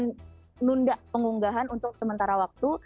menunda pengunggahan untuk sementara waktu